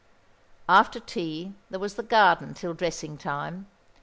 After tea there was the garden till dressing time.